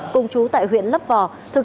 cùng trú tại huyện lấp vò